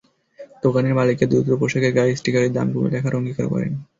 দোকানের মালিক দ্রুত পোশাকের গায়ে স্টিকারে দাম কমিয়ে লেখার অঙ্গীকার করেন।